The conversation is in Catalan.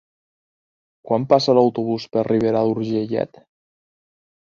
Quan passa l'autobús per Ribera d'Urgellet?